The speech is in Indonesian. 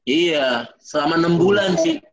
iya selama enam bulan sih